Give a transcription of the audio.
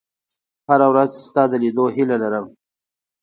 • هره ورځ ستا د لیدو هیله لرم.